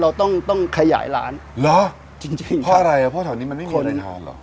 เราต้องต้องขยายร้านเพราะอะไรอ่ะเพราะแถวนี้มันไม่มีในร้านหรอ